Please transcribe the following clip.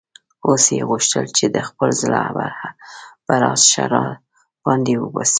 اوس یې غوښتل چې د خپل زړه بړاس ښه را باندې وباسي.